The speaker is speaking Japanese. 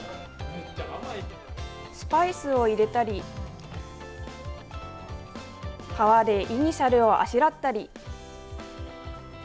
スパイスを入れたり皮でイニシャルをあしらったり。